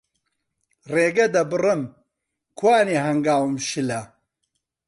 ڕێگە دەبڕم، کوانێ هەنگاوم شلە